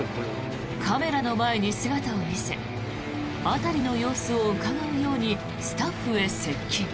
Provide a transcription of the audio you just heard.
カメラの前に姿を見せ辺りの様子をうかがうようにスタッフへ接近。